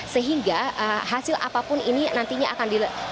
sehingga hasil apapun ini nantinya akan dilakukan